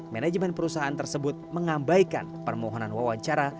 manajemen perusahaan tersebut mengabaikan permohonan wawancara